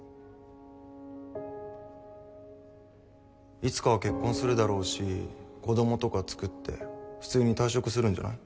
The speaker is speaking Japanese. いつかは結婚するだろうし子供とかつくって普通に退職するんじゃない？